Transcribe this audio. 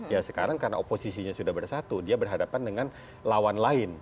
ya sekarang karena oposisinya sudah bersatu dia berhadapan dengan lawan lain